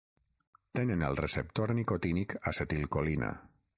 Tenen el receptor nicotínic acetilcolina.